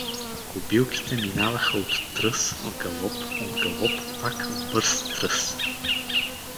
Кобилките минаваха от тръс в галоп, от галоп пак в бърз тръс.